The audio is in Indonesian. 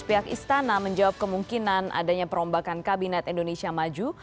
pihak istana menjawab kemungkinan adanya perombakan kabinet indonesia maju